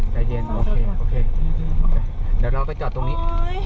เดี๋ยวเราก็จอดตรงนี้